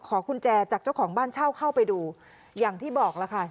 กุญแจจากเจ้าของบ้านเช่าเข้าไปดูอย่างที่บอกแล้วค่ะ